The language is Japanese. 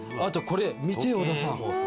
見て、小田さん。